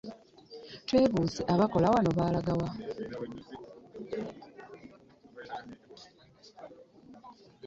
Twebuuze abaakola wano baalaga wa?